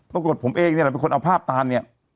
ปรากฏผมเองเนี่ยแหละเป็นคนเอาภาพตานเนี่ย